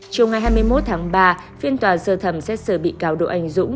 chiều ngày hai mươi một tháng ba phiên tòa sơ thẩm xét xử bị cáo độ anh dũng